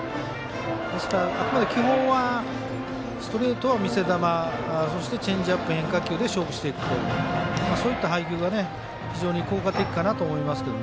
あくまで基本はストレートは見せ球そしてチェンジアップ、変化球で勝負していくっていう配球が非常に効果的かなと思いますけど。